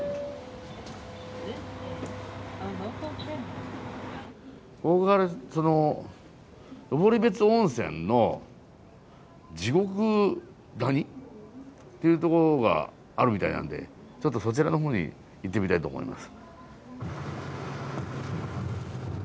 ここからその登別温泉の地獄谷っていう所があるみたいなんでちょっとそちらのほうに行ってみたいと思います。